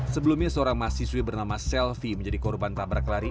sebelumnya seorang mahasiswi bernama selvi menjadi korban tabrak lari